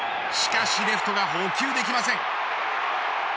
しかしレフトが捕球ができません。